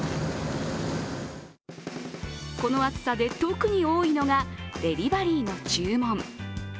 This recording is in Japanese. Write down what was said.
この暑さで特に多いのがデリバリーの注文。